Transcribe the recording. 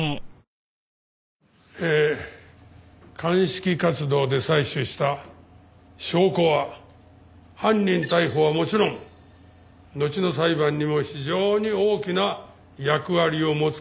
鑑識活動で採取した証拠は犯人逮捕はもちろんのちの裁判にも非常に大きな役割を持つ事になります。